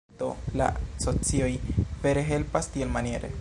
Do la socioj vere helpas tielmaniere.